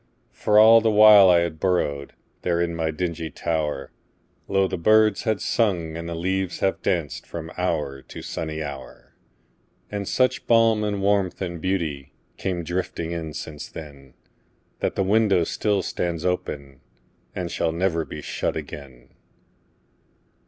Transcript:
For all the while I had burrowedThere in my dingy tower, Lo! the birds had sung and the leaves had dancedFrom hour to sunny hour. And such balm and warmth and beautyCame drifting in since then, That the window still stands openAnd shall never be shut again.